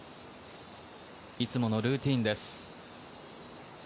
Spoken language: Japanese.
いつものルーティンです。